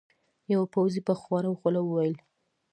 یوه پوځي په خواره خوله وویل.